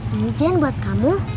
ini jen buat kamu